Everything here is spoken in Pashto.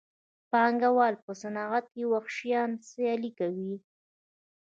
پانګوال په صنعت کې وحشیانه سیالي کوي